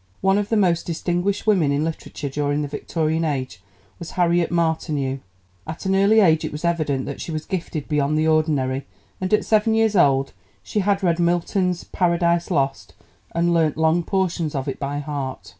One of the most distinguished women in literature during the Victorian Age was Harriet Martineau. At an early age it was evident that she was gifted beyond the ordinary, and at seven years old she had read Milton's "Paradise Lost" and learnt long portions of it by heart.